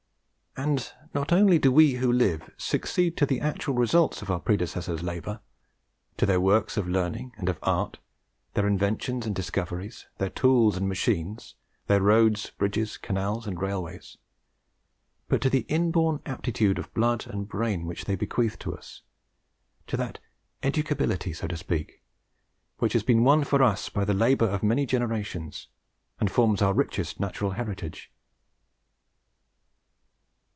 And not only do we who live succeed to the actual results of our predecessors' labours, to their works of learning and of art, their inventions and discoveries, their tools and machines, their roads, bridges, canals, and railways, but to the inborn aptitudes of blood and brain which they bequeath to us, to that "educability," so to speak, which has been won for us by the labours of many generations, and forms our richest natural heritage.